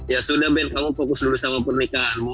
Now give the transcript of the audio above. ya sudah ben kamu fokus dulu sama pernikahanmu